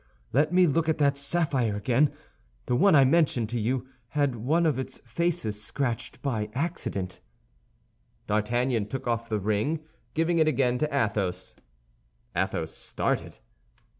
let me look at that sapphire again; the one I mentioned to you had one of its faces scratched by accident." D'Artagnan took off the ring, giving it again to Athos. Athos started.